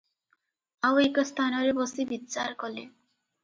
ଆଉ ଏକ ସ୍ଥାନରେ ବସି ବିଚାର କଲେ ।